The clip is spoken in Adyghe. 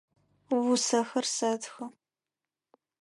Усэхэр сэтхы.